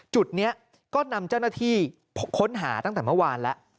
จุดนี้ก็นำเจ้าหน้าที่ค้นหาตั้งแต่เมื่อวานแล้ว